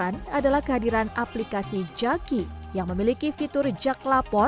dengan fitur private by design di jakki dalam fitur jak lapor